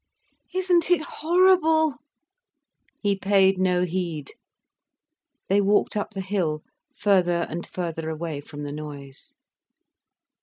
"Isn't it horrible!" He paid no heed. They walked up the hill, further and further away from the noise.